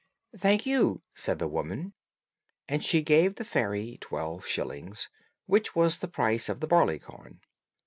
"Thank you," said the woman, and she gave the fairy twelve shillings, which was the price of the barleycorn.